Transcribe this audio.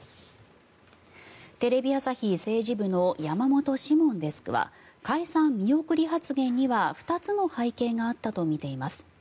テレビ朝日政治部の山本志門デスクは解散見送り発言には２つの背景があったとみています。